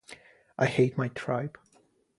I hate my tribe.